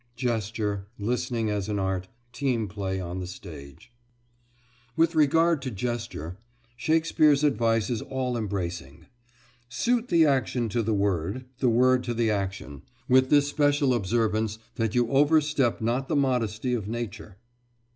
GESTURE. LISTENING AS AN ART. TEAM PLAY ON THE STAGE With regard to gesture, Shakespeare's advice is all embracing. "Suit the action to the word, the word to the action, with this special observance that you overstep not the modesty of nature."